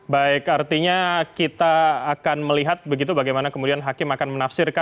baik artinya kita akan melihat begitu bagaimana kemudian hakim akan menafsirkan